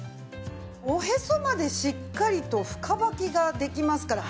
おへそまでしっかりと深ばきができますから。